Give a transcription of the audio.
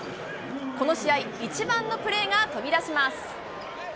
この試合、一番のプレーが飛び出します。